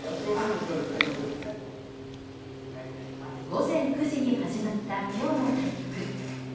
午前９時に始まった今日の対局。